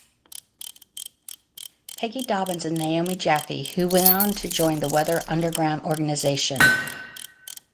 Peggy Dobbins and Naomi Jaffe who went on to join the Weather Underground Organization.